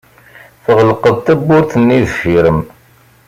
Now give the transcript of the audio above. Tɣelqeḍ tawwurt-nni deffir-m.